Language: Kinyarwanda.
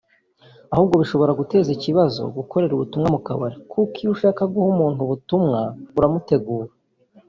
Ahubwo bishobora guteza ikibazo (gukorera ivugabutumwa mu kabari) kuko iyo ushaka guha umuntu ubutumwa uramutegura